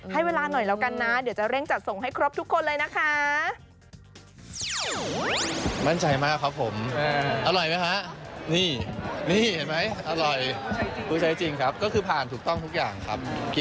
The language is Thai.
ให้เวลาหน่อยแล้วกันนะเดี๋ยวจะเร่งจัดส่งให้ครบทุกคนเลยนะคะ